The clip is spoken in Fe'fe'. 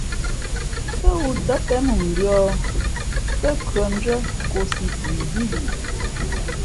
Kά wū tά pěn mʉmbīᾱ tά khʉᾱndʉ́ά kōsī pʉ bíí li ?